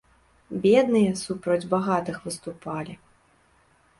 Бедныя супроць багатых выступалі.